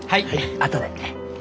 あとで。